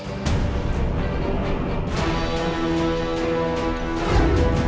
aku tidak tahu